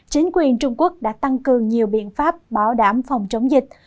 chính quyền trung quốc đã tăng cường nhiều biện pháp bảo đảm phòng chống dịch